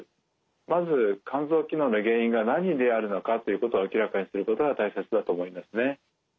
まず肝臓機能の原因が何であるのかということを明らかにすることが大切だと思いますね。